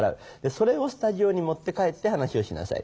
それをスタジオに持って帰って話をしなさい。